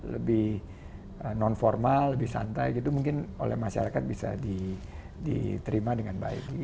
lebih non formal lebih santai gitu mungkin oleh masyarakat bisa diterima dengan baik